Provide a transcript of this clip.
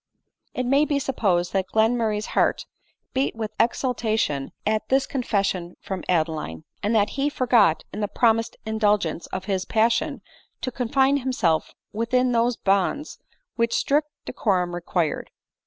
It may be supposed that Glenmurray's heart beat with exultation at this confession from Adeline, and that he for got, in the promised indulgence of his passion, to confine himself within those bounds which strict decorum re quired.